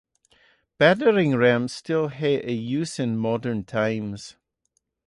Battering rams still have a use in modern times.